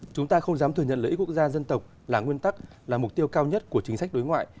chúng ta không dám thừa nhận lợi ích quốc gia dân tộc là nguyên tắc là mục tiêu cao nhất của chính sách đối ngoại